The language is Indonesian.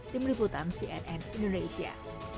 tim liputan cnn indonesia